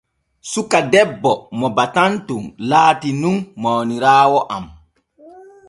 Suka debbo mo batanton laati nun mawniraawo am.